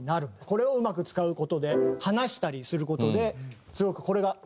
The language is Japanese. これをうまく使う事で離したりする事ですごくこれが。